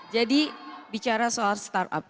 jadi bicara soal startup